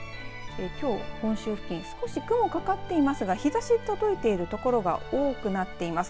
きょう本州付近少し雲かかっていますが日ざしが届いているところが多くなっています。